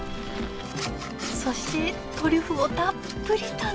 そしてトリュフをたっぷり堪能！